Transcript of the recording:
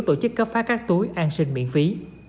tổ chức cấp phát các túi an sinh miễn phí